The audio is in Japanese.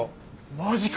マジか。